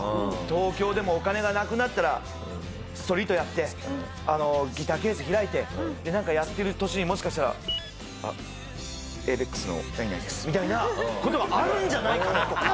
東京でもお金がなくなったらストリートやってギターケース開いてでなんかやってる途中にもしかしたら「エイベックスの何々です」みたいな事があるんじゃないかなとか。